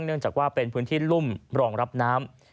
เนื่องจากว่าเป็นพื้นที่รุ่มรองรับน้ำ